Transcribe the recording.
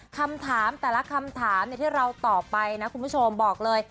คำถามแต่ละคำถามที่เราตอบไปนะคุณผู้ชมบอกเลย